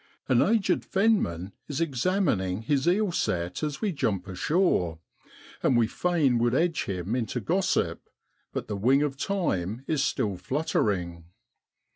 An aged fenman is examining his eel set as we jump ashore, and we fain would edge him into gossip, but the wing of time is still fluttering.